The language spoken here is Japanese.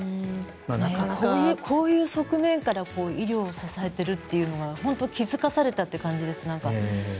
こういう側面から医療を支えているというのが本当に気付かされたという感じです。